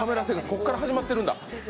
ここから始まってるんだ。